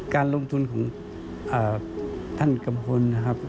การลงทุนของท่านกัมพลนะครับ